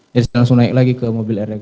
jadi saya langsung naik lagi ke mobil rx